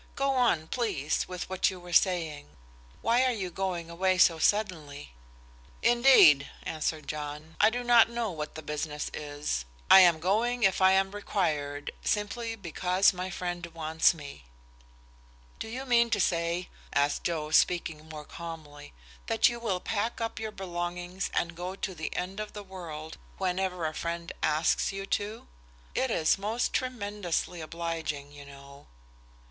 Go on, please, with what you were saying. Why are you going away so suddenly?" "Indeed," answered John, "I do not know what the business is. I am going if I am required, simply because my friend wants me." "Do you mean to say," asked Joe, speaking more calmly, "that you will pack up your belongings and go to the end of the world whenever a friend asks you to? It is most tremendously obliging, you know."